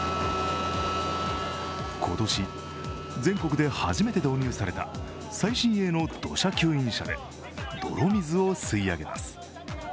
今年、全国で初めて導入された最新鋭の土砂吸引車で泥水を吸い上げます。